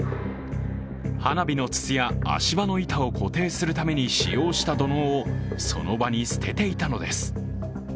花火の筒や足場の板を固定するために使用した土のうをその場に捨てていたのです。